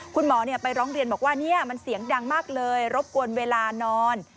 คุณหมอไปร้องเรียนบอกว่ามันเสียงดังมากเลยรบกวนเวลานอน